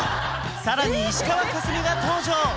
さらに石川佳純が登場